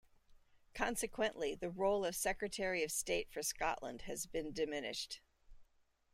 Consequently, the role of Secretary of State for Scotland has been diminished.